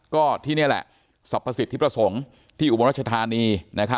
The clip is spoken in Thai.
ก็ที่นี่แหละสรรพสิทธิประสงค์ที่อุบลรัชธานี